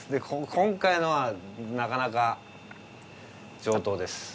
今回のはなかなか上等です。